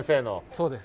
そうです。